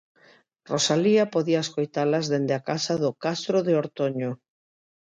Rosalía podía escoitalas dende a casa do "Castro de Ortoño".